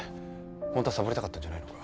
本当はサボりたかったんじゃないのか？